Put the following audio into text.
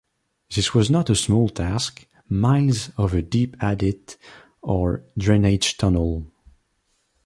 This was not a small task, miles of a deep adit or drainage-tunnel.